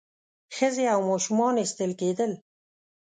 ښځې او ماشومان ایستل کېدل.